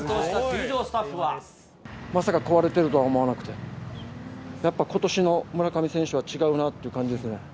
まさか壊れているとは思わなくて、やっぱ、ことしの村上選手は違うなという感じですね。